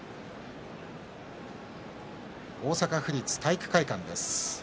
大阪府立体育会館です。